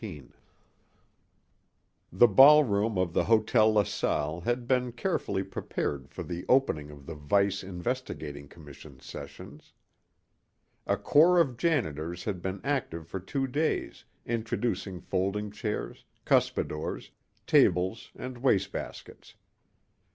19 The ballroom of the Hotel LaSalle had been carefully prepared for the opening of the Vice Investigating Commission's sessions. A corps of janitors had been active for two days introducing folding chairs, cuspidors, tables and wastebaskets.